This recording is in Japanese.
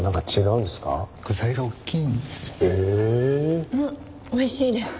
うんおいしいです。